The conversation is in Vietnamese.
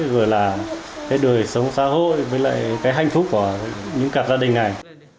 rồi là cái đời sống xã hội với lại cái hạnh phúc của những cặp gia đình này